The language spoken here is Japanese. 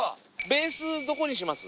ベースどこにします？